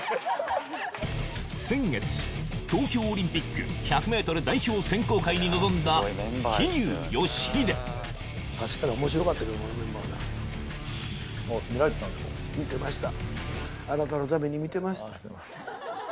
東京オリンピック１００ｍ代表選考会に臨んだ桐生祥秀あなたのために見てました。